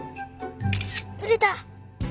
とれた！